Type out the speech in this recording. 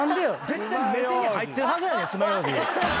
絶対目線に入ってるはずやねん爪楊枝。